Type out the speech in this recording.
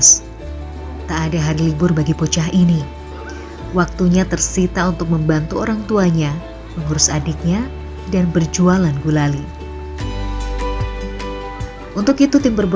saya rasa sangat dapat ada mereka facebook and facebook unislad dan youtube di luar negre